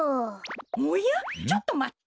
おやちょっとまって。